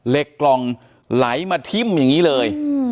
เหล็กกล่องไหลมาทิ้มอย่างนี้เลย